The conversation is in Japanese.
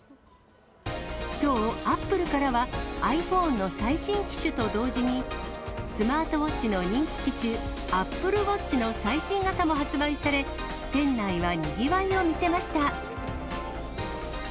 きょう、アップルからはｉＰｈｏｎｅの最新機種と同時に、スマートウォッチの人気機種、ＡｐｐｌｅＷａｔｃｈの最新型も発売され、店内はにぎわいを見せました。